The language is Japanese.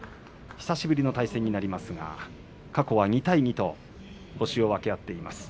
久しぶりの対戦になりますが過去は２対２と星を分け合っています。